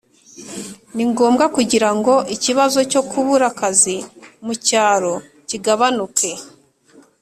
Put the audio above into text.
ni ngombwa kugirango ikibazo cyo kubura akazi mu cyaro kigabanuke.